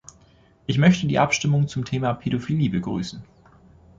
Ich möchte die Abstimmung zum Thema Pädophilie begrüßen.